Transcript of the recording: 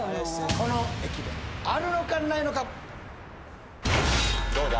この駅弁あるのかないのか・どうだ？